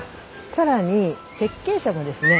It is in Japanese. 更に設計者もですね